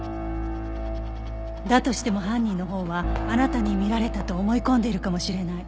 だとしても犯人のほうはあなたに見られたと思い込んでいるかもしれない。